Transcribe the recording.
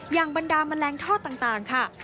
อย่างบรรดามแมลงทอดต่างค่ะ